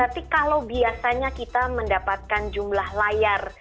jadi kalau biasanya kita mendapatkan jumlah layar